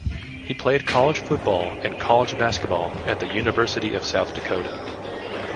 He played college football and college basketball at the University of South Dakota.